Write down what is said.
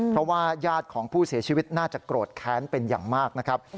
เพราะว่าญาติของผู้เสียชีวิตน่าจะโกรธแค้นเป็นอย่างมากนะครับ